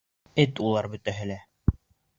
Эт улар бөтәһе лә.